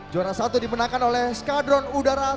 juara satu dimenangkan oleh skadron udara